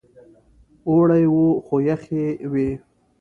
اوړی و خو یخې وې.